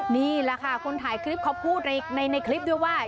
นี่แหละค่ะคนถ่ายคลิปเขาพูดในคลิปด้วยว่า